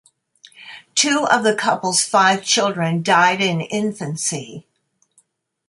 Two of the couple's five children died in infancy.